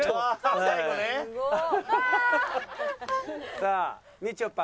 さあみちょぱ。